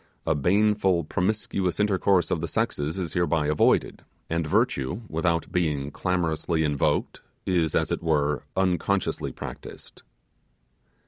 A baneful promiscuous intercourse of the sexes is hereby avoided, and virtue, without being clamorously invoked, is, as it were, unconsciously practised.